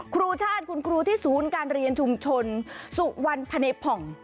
ครูชาติคุณครูที่ศูนย์การเรียนชุมชนสุวรรณพเนผ่อง